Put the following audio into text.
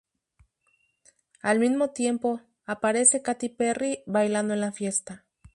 Al mismo tiempo, aparece Katy Perry bailando en la fiesta.